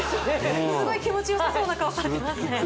うんすごい気持ちよさそうな顔されてますね